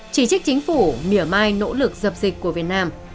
chỉ trích chính phủ mỉa mai nỗ lực dập dịch của việt nam